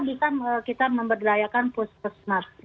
bisa kita memberdayakan puskesmas